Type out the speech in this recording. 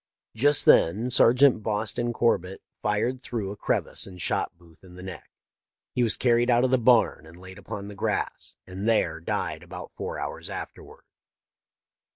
"' Just then Sergeant Boston Corbett fired through a crevice and shot Booth in the neck. He was carried out of the barn and laid upon the grass, and there died about four hours afterward.